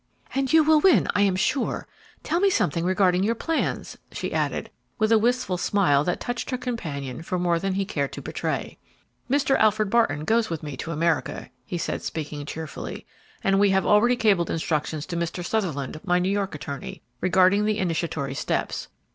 "And you will win, I am sure. Tell me something regarding your plans," she added, with a wistful smile that touched her companion for more than he cared to betray. "Mr. Alfred Barton goes with me to America," he said, speaking cheerfully; "and we have already cabled instructions to Mr. Sutherland, my New York attorney, regarding the initiatory steps.